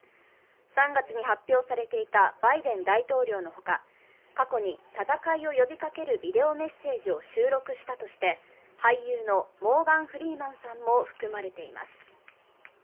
３月に発表されていたバイデン大統領のほか、過去に戦いを呼びかけるビデオメッセージを収録したとして俳優のモーガン・フリーマンさんも含まれています。